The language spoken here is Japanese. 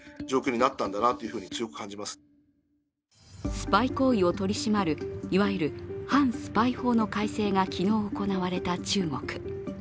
スパイ行為を取り締まるいわゆる反スパイ法の改正が昨日行われた中国。